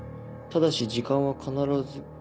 ただし時間は必ず」。